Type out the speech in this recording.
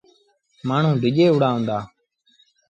مآڻهوٚݩ ڊڄي وُهڙآ هُݩدآ۔